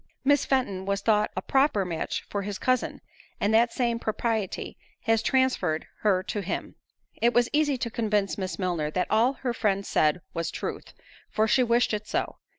Miss Fenton was thought a proper match for his cousin, and that same propriety has transferred her to him." It was easy to convince Miss Milner that all her friend said was truth, for she wished it so.